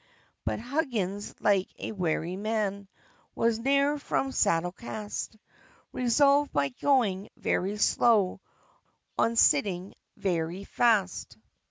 But Huggins, like a wary man, Was ne'er from saddle cast; Resolved, by going very slow, On sitting very fast.